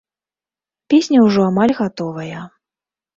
Песня ўжо амаль гатовая.